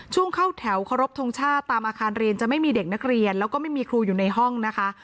เข้าแถวเคารพทงชาติตามอาคารเรียนจะไม่มีเด็กนักเรียนแล้วก็ไม่มีครูอยู่ในห้องนะคะ